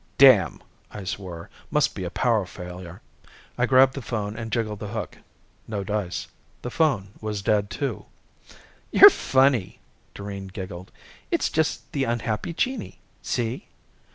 "Damn!" I swore. "Must be a power failure!" I grabbed the phone and jiggled the hook. No dice. The phone was dead, too. "You're funny," Doreen giggled. "It's just the unhappy genii. See?"